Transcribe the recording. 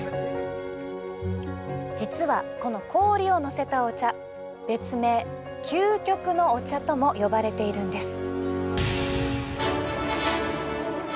実は、この氷をのせたお茶別名・究極のお茶とも呼ばれているんです。